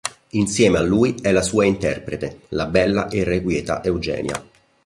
Insieme a lui è la sua interprete, la bella e irrequieta Eugenia.